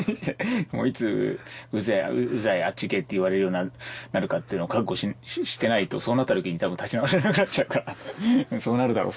もういつ「ウゼえウザいあっち行け」って言われるようになるかっていうの覚悟してないとそうなった時に多分立ち直れなくなっちゃうからそうなるだろう